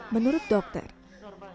menurut dokter hani dalam kondisi prima